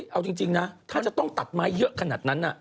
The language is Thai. เอาจริงนะถ้าจะต้องตัดไม้เยอะขนาดนั้น